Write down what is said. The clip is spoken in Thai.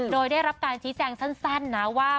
โดยได้รับการชี้แจงสั้นนะว่า